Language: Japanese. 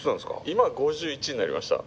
今５１になりました。